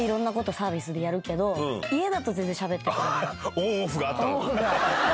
オンオフがあったんだ。